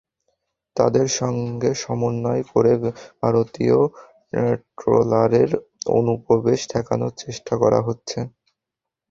তাঁদের সঙ্গে সমন্বয় করে ভারতীয় ট্রলারের অনুপ্রবেশ ঠেকানোর চেষ্টা করা হচ্ছে।